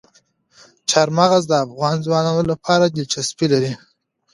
چار مغز د افغان ځوانانو لپاره دلچسپي لري.